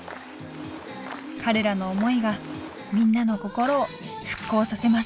彼らの思いがみんなの心を復興させます。